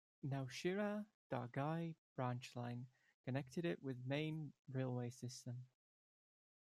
Nowshera-Dargai Branch Line connected it with main railway system.